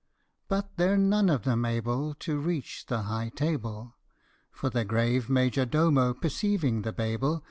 But they're none of them able To reach the high table, For the grave Major Domo, perceiving the Babel, THE SLEEPING BEAUTY.